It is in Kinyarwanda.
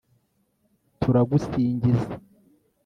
turagusingiza